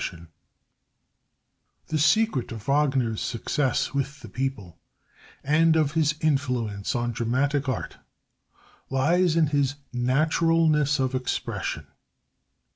The secret of Wagner's success with the people and of his influence on dramatic art lies in his naturalness of expression.